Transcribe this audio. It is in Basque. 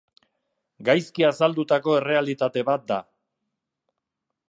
Gaizki azaldutako errealitate bat da.